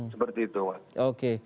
seperti itu pak